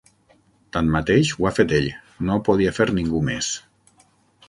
Tanmateix ho ha fet ell: no ho podia fer ningú més.